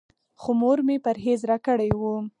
خو مور مې پرهېز راکړی و.